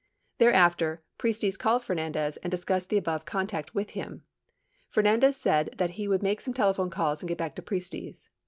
96 Thereafter, Priestes called Fernandez and discussed the above contact with him. Fernandez said that he would make some telephone calls and get back to Priestes.